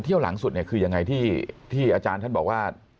เที่ยวหลังสุดคือยังไงที่อาจารย์ท่านบอกว่า